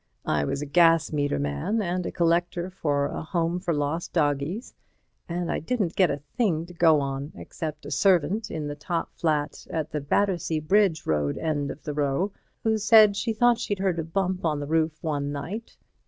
I was a gas meter man and a collector for a Home for Lost Doggies, and I didn't get a thing to go on, except a servant in the top flat at the Battersea Bridge Road end of the row who said she thought she'd heard a bump on the roof one night.